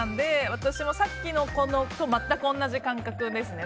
私もさっきの子と全く同じ感覚ですね。